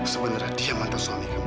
sebenarnya dia mantan suaminya